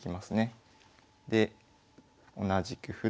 で同じく歩と。